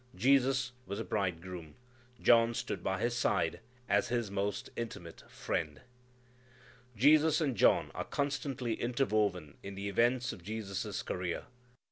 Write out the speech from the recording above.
Jesus was a bridegroom. John stood by His side as His most intimate friend. Jesus and John are constantly interwoven in the events of Jesus' career.